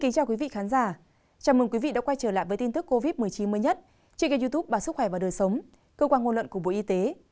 chào mừng quý vị đã quay trở lại với tin tức covid một mươi chín mới nhất trên kênh youtube bà sức khỏe và đời sống cơ quan ngôn luận của bộ y tế